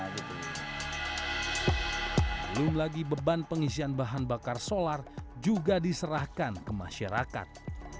belum lagi beban pengisian bahan bakar solar juga diserahkan ke masyarakat